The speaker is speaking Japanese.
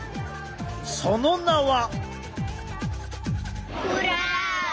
その名は。